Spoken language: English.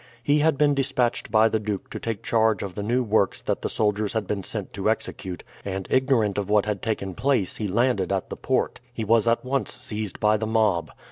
He had been despatched by the duke to take charge of the new works that the soldiers had been sent to execute, and ignorant of what had taken place he landed at the port. He was at once seized by the mob.